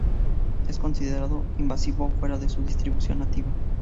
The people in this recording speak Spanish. Es considerado invasivo fuera de su distribución nativa.